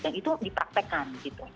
dan itu dipraktekkan gitu